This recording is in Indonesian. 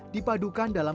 layanan kelas jaringan